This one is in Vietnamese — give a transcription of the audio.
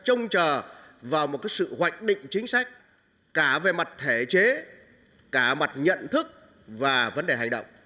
chúng ta đang trông chờ vào một sự hoạch định chính sách cả về mặt thể chế cả mặt nhận thức và vấn đề hành động